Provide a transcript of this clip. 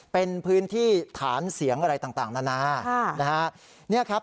เป็นพื้นที่ฐานเสียงอะไรต่างนานานะฮะเนี่ยครับ